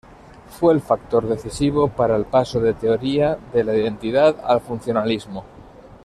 Fue el factor decisivo para el paso de teoría de la identidad al funcionalismo.